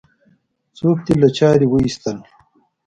څوک دې له چارې وایستل؟